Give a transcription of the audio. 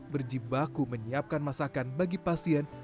berjibaku menyiapkan masakan bagi pasien